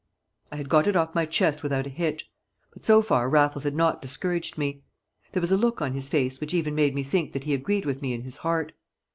I had got it off my chest without a hitch. But so far Raffles had not discouraged me. There was a look on his face which even made me think that he agreed with me in his heart.